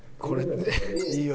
いいよ。